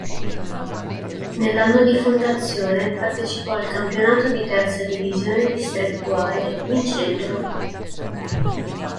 Nell'anno di fondazione partecipò al campionato di terza divisione distrettuale, vincendolo.